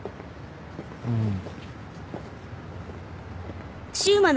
うん。